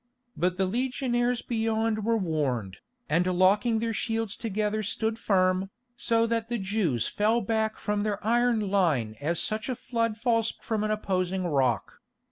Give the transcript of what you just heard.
But the legionaries beyond were warned, and locking their shields together stood firm, so that the Jews fell back from their iron line as such a flood falls from an opposing rock.